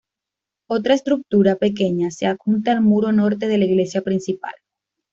Otra estructura, pequeña, se adjunta al muro norte de la iglesia principal.